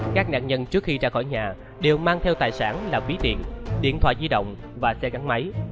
các nạn nhân trước khi ra khỏi nhà đều mang theo tài sản là ví điện thoại di động và xe gắn máy